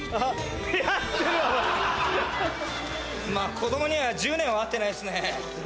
子供には１０年は会ってないっすね。